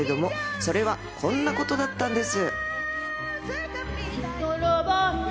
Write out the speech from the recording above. それはこんなことだったんです。